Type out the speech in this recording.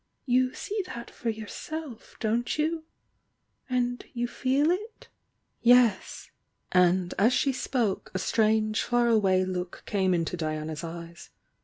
You see that for yourself, don't you? — and you feel it?" "Yes." .*nd, as she spoke, a strange, far away look came into Diana's eyes.